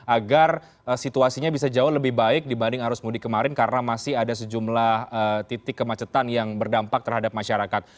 agar situasinya bisa jauh lebih baik dibanding arus mudik kemarin karena masih ada sejumlah titik kemacetan yang berdampak terhadap masyarakat